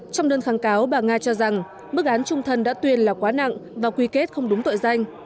trong đơn kháng cáo bà nga cho rằng mức án trung thân đã tuyên là quá nặng và quy kết không đúng tội danh